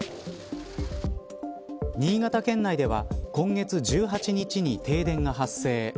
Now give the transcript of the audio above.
新潟県内では、今月１８日に停電が発生。